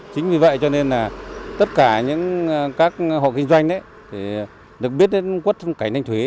chính vì vậy cho nên là tất cả những các hộ kinh doanh được biết đến quất cảnh nônh thuế